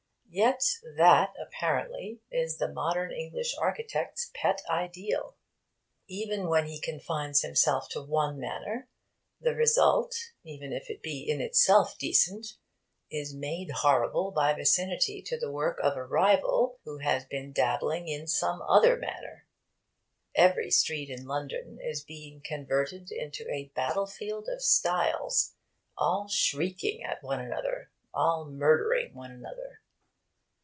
Yet that, apparently, is the modern English architect's pet ideal. Even when he confines himself to one manner, the result (even if it be in itself decent) is made horrible by vicinity to the work of a rival who has been dabbling in some other manner. Every street in London is being converted into a battlefield of styles, all shrieking at one another, all murdering one another.